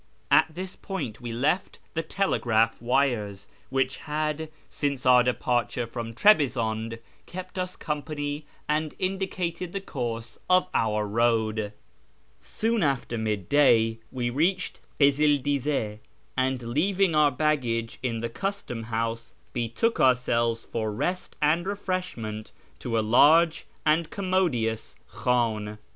At this point we left the telegraph wires, which had, since our FROM ENGLAND TO THE PERSIAN FRONTIER 45 departure from Trebizonde, kept us company and indicated the course of our road. Soon after mid day we reached Kizil Diz^, and, leaving our baggage in the custom house, betook ourselves for rest and refreshment to a large and commodious Jilidn.